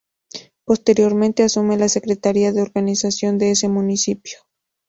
Posteriormente, asume la Secretaría de Organización de ese municipio.